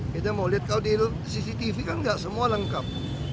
kalau di cctv kan tidak semua lengkap